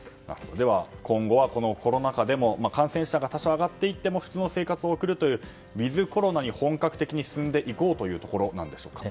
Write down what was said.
では、今後はコロナ禍でも感染者が多少、上がっていっても普通の生活を送るというウィズコロナに本格的に進んでいこうというところなんでしょうか。